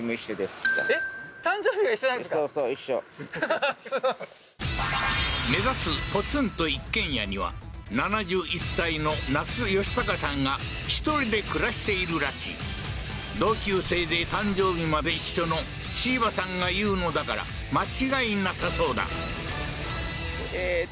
そうそう一緒はははっ目指すポツンと一軒家には７１歳のナスヨシタカさんが１人で暮らしているらしい同級生で誕生日まで一緒の椎葉さんが言うのだから間違いなさそうだえっ？